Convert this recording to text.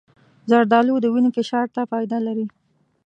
زردالو د وینې فشار ته فایده لري.